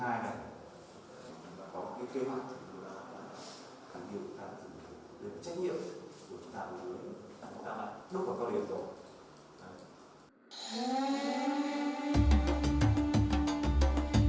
có cái kế hoạch có cái kế hoạch có cái kế hoạch có cái kế hoạch